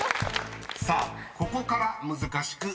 ［さあここから難しくなります］